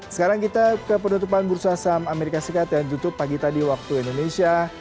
sekarang kita ke penutupan bursa saham amerika serikat yang ditutup pagi tadi waktu indonesia